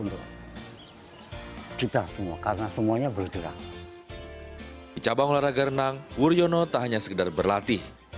di cabang olahraga renang wuryono tak hanya sekedar berlatih